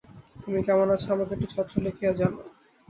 তুমি কেমন আছ, আমাকে একটি ছত্র লিখিয়া জানাও।